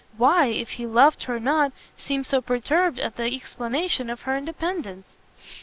why, if he loved her not, seem so perturbed at the explanation of her independence?